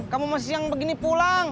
kamu masih yang begini pulang